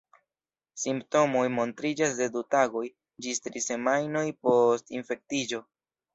Simptomoj montriĝas de du tagoj ĝis tri semajnoj post infektiĝo.